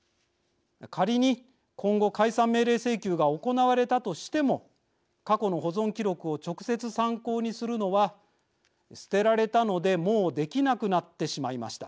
仮に今後解散命令請求が行われたとしても過去の保存記録を直接参考にするのは捨てられたのでもうできなくなってしまいました。